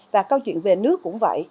và câu chuyện về nước cũng vậy